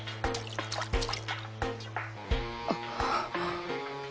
あっ。